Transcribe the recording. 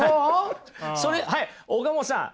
それはい岡本さん